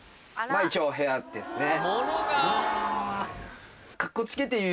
まぁ一応部屋ですね。